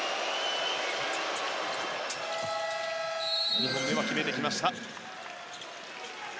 ２本目は決めてきました。